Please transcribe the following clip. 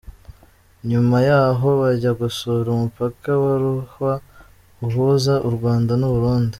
Nyuma y’aho bajya gusura umupaka wa Ruhwa uhuza u Rwanda n’uburundi.